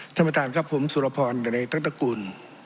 ท่านประธานครับผมสุรพรดเรตัตรกูล